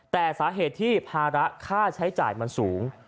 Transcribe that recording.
แต่สาเหตุที่ภาระค่าใช้จ่ายมันสูง